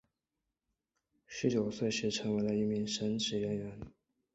十九岁时成为了一名神职人员。